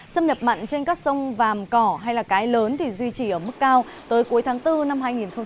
xâm nhập mặn trên các sông vàm cỏ hay là cái lớn thì duy trì ở mức cao tới cuối tháng bốn năm hai nghìn hai mươi